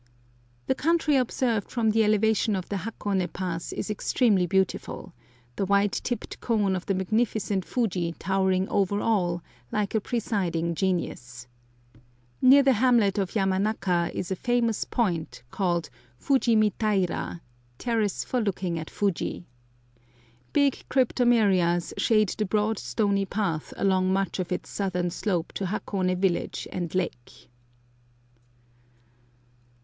The country observed from the elevation of the Hakone Pass is extremely beautiful, the white tipped cone of the magnificent Fuji towering over all, like a presiding genius. Near the hamlet of Yamanaka is a famous point, called Fuji mi taira (terrace for looking at Fuji). Big cryptomerias shade the broad stony path along much of its southern slope to Hakone village and lake.